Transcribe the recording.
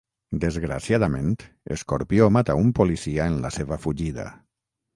Desgraciadament, Escorpió mata un policia en la seva fugida.